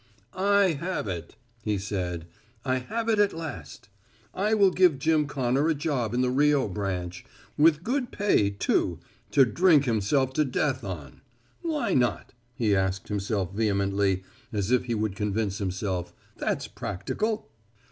"I have it," he said, "I have it at last. I will give Jim Connor a job in the Rio branch with good pay, too to drink himself to death on. Why not," he asked himself vehemently, as if he would convince himself, "that's practical."